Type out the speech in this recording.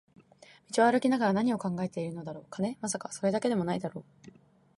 道を歩きながら何を考えているのだろう、金？まさか、それだけでも無いだろう